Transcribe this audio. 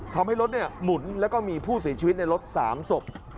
ทำให้รถหมุนแล้วก็มีผู้เสียชีวิตในรถ๓ศพ